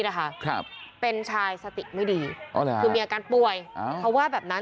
นะคะครับเป็นชายสติไม่ดีคือมีอาการปัญหาว่าแบบนั้น